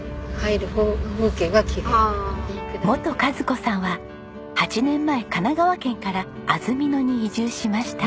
本和子さんは８年前神奈川県から安曇野に移住しました。